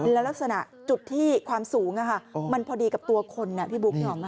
แล้วลักษณะจุดที่ความสูงมันพอดีกับตัวคนพี่บุ๊คนึกออกไหม